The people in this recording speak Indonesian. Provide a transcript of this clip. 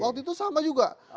waktu itu sama juga